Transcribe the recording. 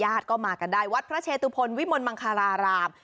ก็มากันได้วัดพระเชตุพลวิมลมังคาราราม